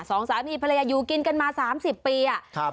สองสามีภรรยาอยู่กินกันมาสามสิบปีอ่ะครับ